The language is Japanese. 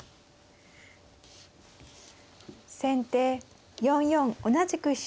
先手４四同じく飛車。